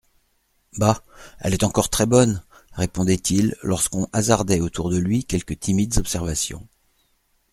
Bah ! elle est encore très-bonne, répondait-il, lorsqu'on hasardait autour de lui quelques timides observations.